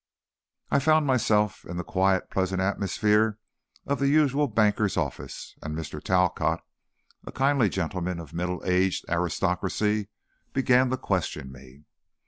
I found myself in the quiet, pleasant atmosphere of the usual banker's office, and Mr. Talcott, a kindly gentleman of middle aged aristocracy, began to question me.